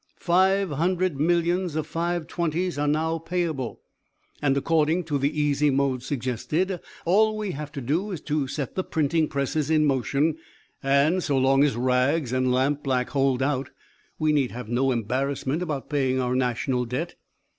Five hundred millions of Five twenties are now payable, and according to the easy mode suggested, all we have to do is set the printing presses in motion, and 'so long as rags and lampblack hold out' we need have no embarrassment about paying our National Debt.